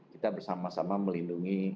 kita bersama sama melindungi